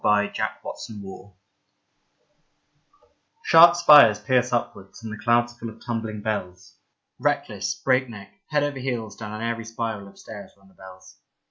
Gothic 43 GOTHIC SHARP spires pierce upwards, and the clouds are full of tumbling bells. Reckless, breakneck, head over heels down an airy spiral of stairs run the bells.